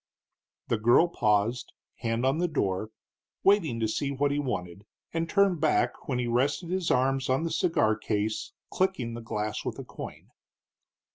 The girl paused, hand on the door, waiting to see what he wanted, and turned back when he rested his arms on the cigar case, clicking the glass with a coin.